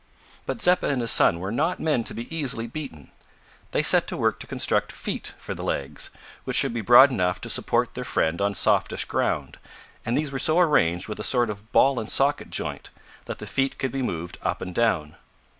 But Zeppa and his son were not men to be easily beaten. They set to work to construct feet for the legs, which should be broad enough to support their friend on softish ground, and these were so arranged with a sort of ball and socket joint, that the feet could be moved up and down.